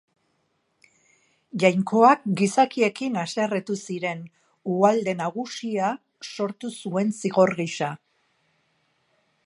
Jainkoak gizakiekin haserretu ziren Uholde Nagusia sortu zuen zigor gisa.